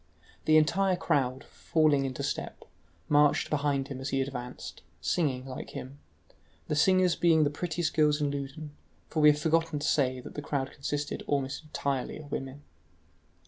The entire crowd, falling into step, marched behind him as he advanced, singing like him, the singers being the prettiest girls in Loudun, for we have forgotten to say that the crowd consisted almost entirely of women.